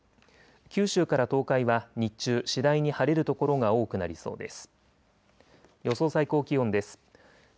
九州から東海は日中次第に晴れる所が多くなりそうです。